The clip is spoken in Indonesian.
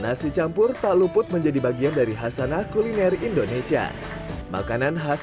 nasi campur tak luput menjadi bagian dari hasanah kuliner indonesia makanan khas